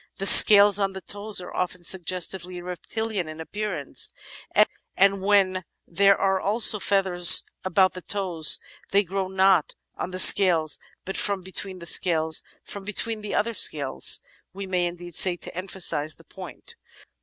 The scales on the toes are often suggestively reptilian in appearance, and when there are also feathers about the toes they grow not on the scales but from between the scales — from between the other scales we may indeed say to emphasise the point.